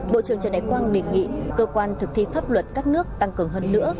bộ trưởng trần đại quang đề nghị cơ quan thực thi pháp luật các nước tăng cường hơn nữa